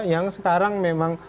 yang sekarang memang